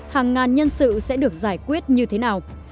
hàng ngàn nhân sự sẽ được giải quyết như thế nào